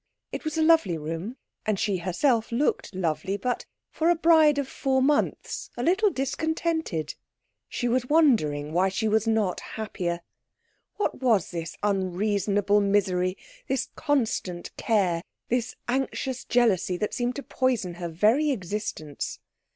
It was a lovely room and she herself looked lovely, but, for a bride of four months, a little discontented. She was wondering why she was not happier. What was this unreasonable misery, this constant care, this anxious jealousy that seemed to poison her very existence?